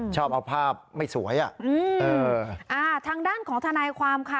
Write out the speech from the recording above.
ชอบเอาภาพไม่สวยอ่ะอืมเอออ่าทางด้านของทนายความค่ะ